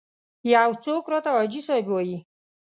یو څوک راته حاجي صاحب وایي.